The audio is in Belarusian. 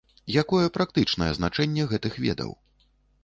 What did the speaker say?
Якое практычнае значэнне гэтых ведаў?